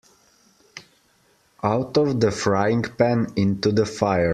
Out of the frying pan into the fire.